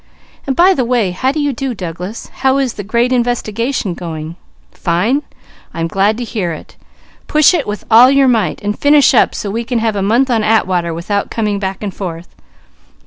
And by the way, how do you do, Douglas? How is the great investigation coming on? 'Fine!' I'm glad to hear it. Push it with all your might, and finish up so we can have a month on Atwater without coming back and forth.